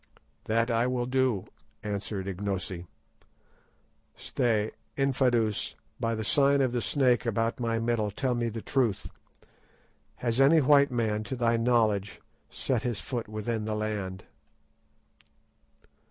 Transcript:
"That I will do," answered Ignosi. "Stay, Infadoos, by the sign of the snake about my middle, tell me the truth. Has any white man to thy knowledge set his foot within the land?"